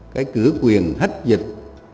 cái cử quyền hết dịch